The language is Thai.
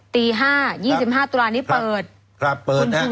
ตี๕๒๕ตุลานี้เปิด